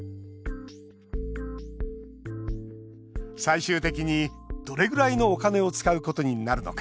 最終的に、どれぐらいのお金を使うことになるのか。